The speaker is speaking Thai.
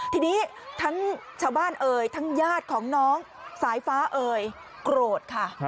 ทีนี้ทั้งชาวบ้านเอ่ยทั้งญาติของน้องสายฟ้าเอ่ยโกรธค่ะ